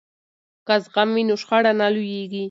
که زغم وي نو شخړه نه لویږي.